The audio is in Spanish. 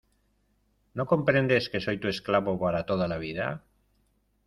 ¿ no comprendes que soy tu esclavo para toda la vida?